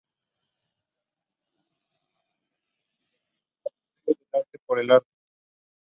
The latter is also won over to the plan by false news.